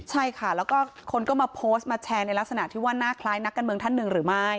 ใช่ค่ะแล้วก็คนก็มาโพสต์มาแชร์ในลักษณะที่ว่าหน้าคล้ายนักการเมืองท่านหนึ่งหรือไม่